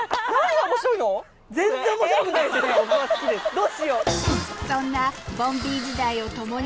どうしよう。